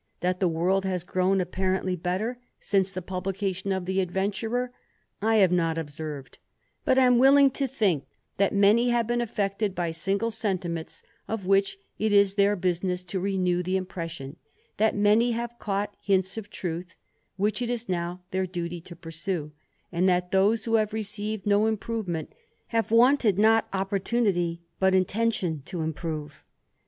That the world has grown apparently better, since the publication of the Adventurer^ I have not observed ; but am willing to think, that many have been affected by single sentiments, of which it is their business to renew the impression ; that many have caught hints of truth, which it is now their duty to pursue ; and that those who have received no improvement, have wanted Bot opportunity but intention to improve.